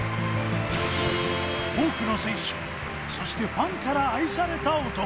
多くの選手、そしてファンから愛された男。